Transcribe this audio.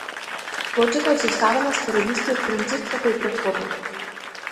Плочата е составена според истиот принцип како и претходната.